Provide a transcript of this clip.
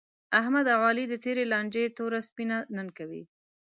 احمد او علي د تېرې لانجې توره سپینه نن کوي.